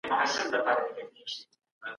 عمل د سړي جوهر دی.